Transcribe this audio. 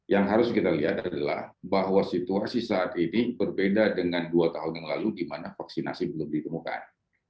yang harus kita lihat adalah bahwa situasi saat ini berbeda dengan dua tahun yang lalu di mana vaksinasi belum ditemukan